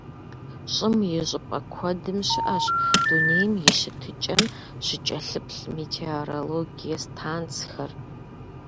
ЩӀым и щӀыпӀэ куэдым щыӀэщ дунейм и щытыкӀэм щыкӀэлъыплъ метеорологие станцхэр.